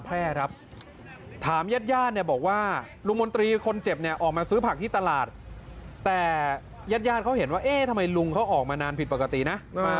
ประถมพยาบาลลุงมลตรีแล้วก็นำไปการส่งรักษา